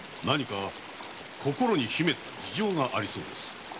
何か心に秘めた事情がありそうです。